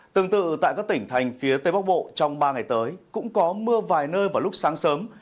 tương tự tại các tỉnh thành phía tây bắc bộ trong ba ngày tới cũng có mưa vài nơi vào lúc sáng sớm